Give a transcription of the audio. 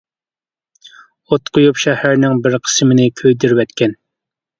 ئوت قويۇپ شەھەرنىڭ بىر قىسمىنى كۆيدۈرۈۋەتكەن.